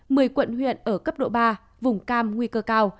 mười quận huyện ở cấp độ ba vùng cam nguy cơ cao